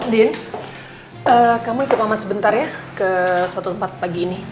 din kamu ikut mama sebentar ya ke satu tempat pagi ini